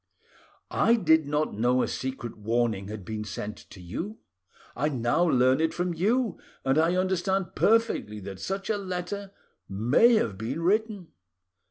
I did not know a secret warning had been sent to you: I now learn it from you, and I understand perfectly that such a letter, may have been written.